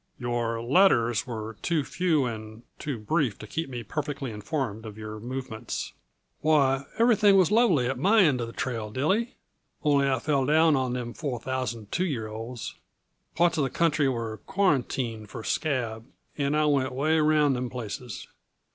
"Your letters were too few and too brief to keep me perfectly informed of your movements." "Why, everything was lovely at my end uh the trail, Dilly only I fell down on them four thousand two year olds. Parts uh the country was quarantined for scab, and I went way around them places.